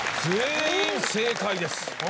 全員正解です。